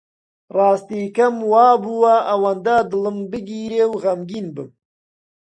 ڕاستی کەم وا بووە ئەوەندە دڵم بگیرێ و خەمگین بم